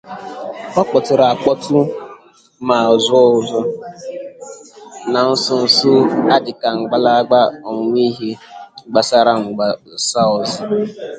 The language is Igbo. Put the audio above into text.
Ọ kpọtụrụ akpọtụ ma zuọ azụọ na nsonso a dịka ngalaba ọmụmụihe gbasaara mgbasaozi